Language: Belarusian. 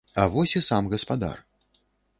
А вось і сам гаспадар.